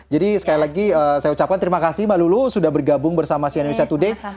jadi sekali lagi saya ucapkan terima kasih mbak lulu sudah bergabung bersama sianemisya today